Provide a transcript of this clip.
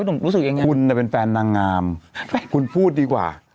รู้สึกยังไงคุณน่ะเป็นแฟนนางงามคุณพูดดีกว่า